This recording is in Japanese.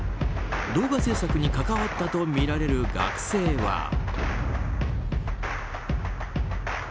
動画制作に関わったとみられる学生は。